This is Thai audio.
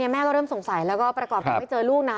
แม่ก็เริ่มสงสัยแล้วก็ประกอบกับไม่เจอลูกนะ